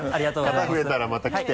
型増えたらまた来て。